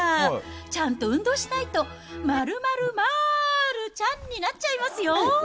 ちゃんと運動しないと、まるまるまーるちゃんになっちゃいますよ。